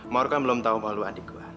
mawar kan belum tahu mahluk adik gue